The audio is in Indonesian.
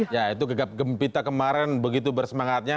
ya itu gembita kemarin begitu bersemangatnya